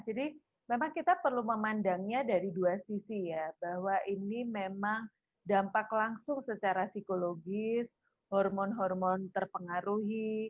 jadi memang kita perlu memandangnya dari dua sisi ya bahwa ini memang dampak langsung secara psikologis hormon hormon terpengaruhi